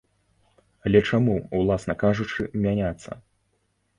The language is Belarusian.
Але чаму, уласна кажучы, мяняцца?